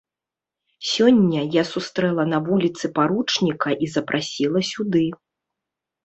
Сёння я сустрэла на вуліцы паручніка і запрасіла сюды.